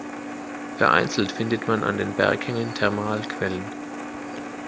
Vereinzelt findet man an den Berghängen Thermalquellen.